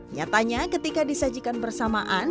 nyatanya ketika disajikan bersamaan